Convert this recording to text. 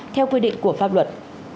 theo quy định của pháp luật